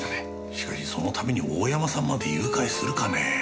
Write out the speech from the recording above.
しかしそのために大山さんまで誘拐するかね？